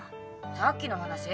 さっきの話？